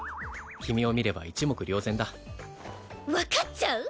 君を見れば一目瞭然だ分かっちゃう？